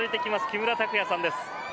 木村拓哉さんです。